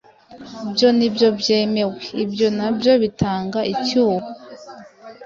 byo nibyo byemewe? Ibyo nabyo bitanga icyuho